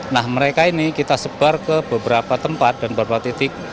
nah mereka ini kita sebar ke beberapa tempat dan beberapa titik